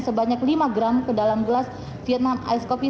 sebanyak lima gram ke dalam gelas vietnam ice coffee